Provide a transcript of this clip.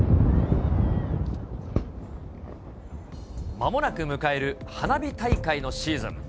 まもなく迎える花火大会のシーズン。